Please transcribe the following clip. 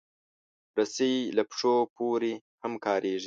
رسۍ له پښو پورې هم کارېږي.